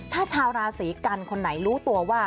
ถ้าชาวราศีกันคนไหนรู้ตัวว่า